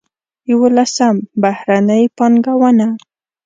یولسم: بهرنۍ پانګونه.